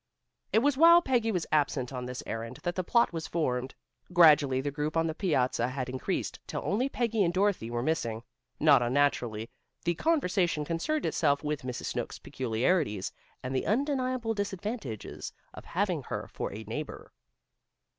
It was while Peggy was absent on this errand that the plot was formed. Gradually the group on the piazza had increased till only Peggy and Dorothy were missing. Not unnaturally the conversation concerned itself with Mrs. Snooks' peculiarities, and the undeniable disadvantages of having her for a neighbor.